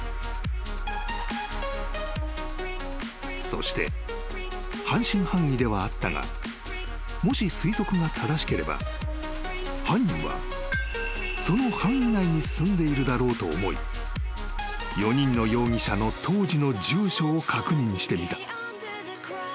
［そして半信半疑ではあったがもし推測が正しければ犯人はその範囲内に住んでいるだろうと思い４人の容疑者の当時の住所を確認してみた］